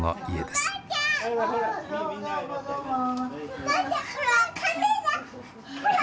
おばあちゃんほらカメラ。